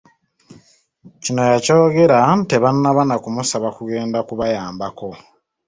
Kino ya kyogera tebannaba na kumusaba kugenda ku bayambako.